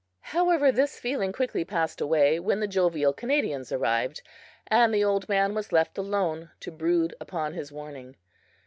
However, this feeling quickly passed away when the jovial Canadians arrived, and the old man was left alone to brood upon his warning.